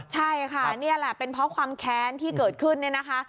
ใช่ค่ะนี่แหละเป็นเพราะความแค้นที่เกิดขึ้นเนี่ยนะคะ